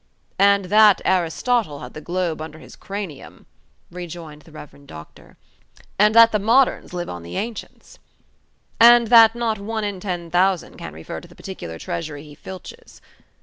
"And that Aristotle had the globe under his cranium," rejoined the Rev. Doctor. "And that the Moderns live on the Ancients." "And that not one in ten thousand can refer to the particular treasury he filches."